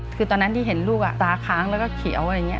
คือตอนนั้นที่เห็นลูกตาค้างแล้วก็เขียวอะไรอย่างนี้